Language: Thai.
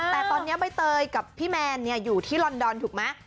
แต่ตอนนี้ใบเตยกับพี่แมนอยู่ที่ลอนดอนถูกไหม